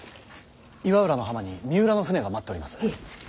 岩浦の浜に三浦の舟が待っております。